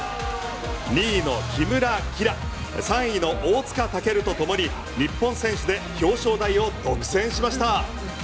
２の木村葵来３位の大塚健とともに日本選手で表彰台を独占しました。